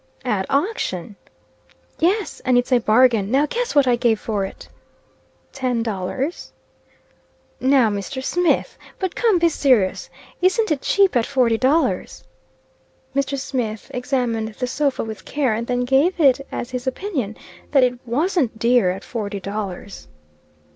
"At auction!" "Yes; and it's a bargain. Now guess what I gave for it?" "Ten dollars?" "Now Mr. Smith! But come; be serious. Isn't it cheap at forty dollars?" Mr. Smith examined the sofa with care, and then gave it as his opinion that it wasn't dear at forty dollars.